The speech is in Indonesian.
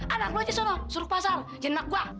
anak lu aja suruh ke pasar jangan anak gue